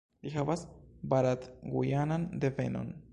Li havas barat-gujanan devenon.